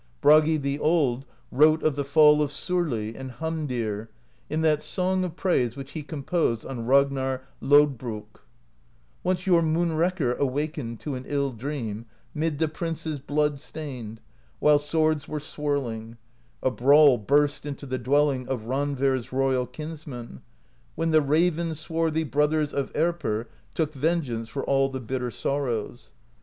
Bragi the Old wrote of the fall of Sorli and Hamdir in that song of praise which he composed on Rag narr Lodbrok: Once Jormunrekkr awakened To an ill dream, 'mid the princes Blood stained, while swords were swirling: A brawl burst in the dwelling Of Randver's royal kinsman, When the raven swarthy Brothers of Erpr took vengeance For all the bitter sorrows.